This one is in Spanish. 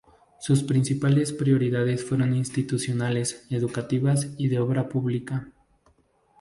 Sus principales prioridades fueron institucionales, educativas y de obra pública.